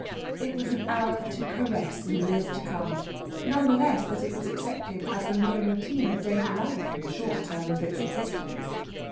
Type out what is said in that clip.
It was an hour to caress in years to come, none the less that it was accepted as the mere routine of daily life in the short term of its existence.